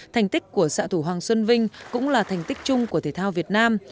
thành tích của xạ thủ hoàng xuân vinh cũng là thành tích chung của thể thao việt nam